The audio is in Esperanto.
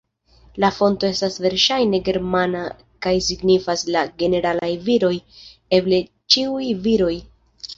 La fonto estas verŝajne ĝermana kaj signifas "la ĝeneralaj viroj", eble "ĉiuj viroj".